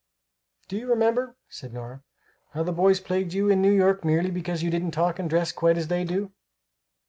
"Do you remember," said Nora, "how the boys plagued you in New York, merely because you didn't talk and dress quite as they do?